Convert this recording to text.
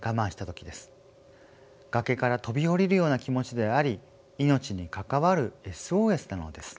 崖から飛び降りるような気持ちであり命に関わるＳＯＳなのです。